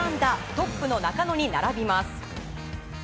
トップの中野に並びます。